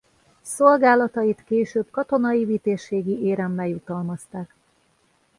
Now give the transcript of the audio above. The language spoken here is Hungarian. Szolgálatait később Katonai Vitézségi Éremmel jutalmazták.